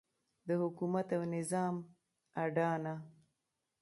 د حکومت او نظام اډانه.